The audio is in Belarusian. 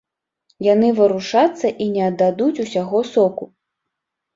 Яны варушацца і не аддадуць усяго соку.